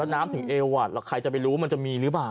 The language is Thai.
น้ำถึงเอวแล้วใครจะไปรู้มันจะมีหรือเปล่า